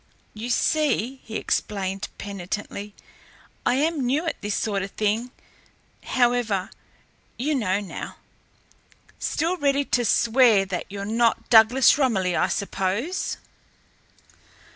"You see," he explained penitently, "I am new to this sort of thing. However, you know now." "Still ready to swear that you're not Douglas Romilly, I suppose?"